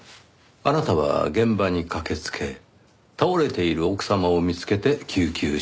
あなたは現場に駆けつけ倒れている奥様を見つけて救急車を呼んだ。